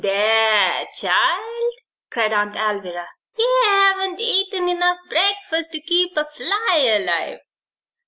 "There, child!" cried Aunt Alvirah, "ye haven't eaten enough breakfast to keep a fly alive.